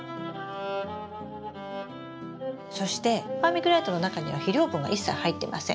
そしてバーミキュライトの中には肥料分が一切入ってません。